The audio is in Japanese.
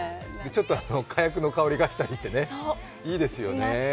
ちょっと火薬の香りがしたりしてね、いいですよね。